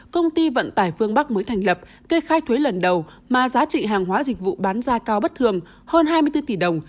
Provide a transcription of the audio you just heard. công ty vận tải phương bắc mới thành lập kê khai thuế lần đầu mà giá trị hàng hóa dịch vụ bán ra cao bất thường hơn hai mươi bốn tỷ đồng